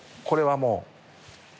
これはもう。